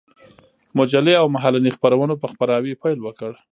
مجلې او مهالنۍ خپرونو په خپراوي پيل وكړ.